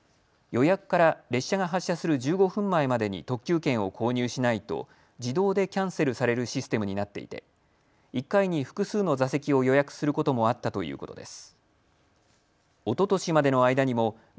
予約から列車が発車する１５分前までに特急券を購入しないと自動でキャンセルされるシステムになっていて１回に複数の座席を予約することもあったということです。